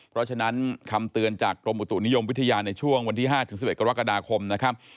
เพราะฉะนั้นคำเตือนจากกรมอุตุนิยมวิทยาในช่วงวันที่๕๑๑กรกฎาคมนะครับ